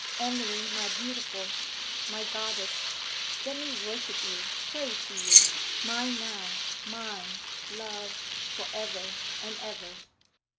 Emily, my beautiful, my goddess! let me worship you, pray to you! Mine now, mine, love, for ever and ever!